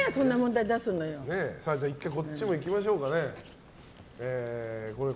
１回、こっちもいきましょうか。